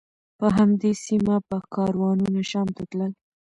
په همدې سیمه به کاروانونه شام ته تلل.